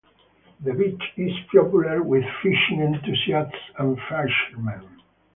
The beach is popular with fishing enthusiasts and fishermen.